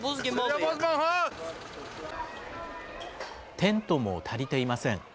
テントも足りていません。